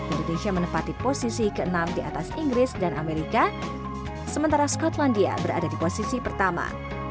indonesia menempati posisi ke enam di atas inggris dan amerika sementara skotlandia berada di posisi pertama